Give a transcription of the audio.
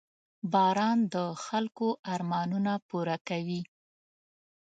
• باران د خلکو ارمانونه پوره کوي.